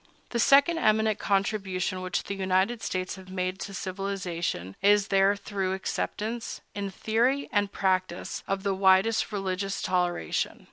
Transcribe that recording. The second eminent contribution which the United States have made to civilization is their thorough acceptance, in theory and practice, of the widest religious toleration.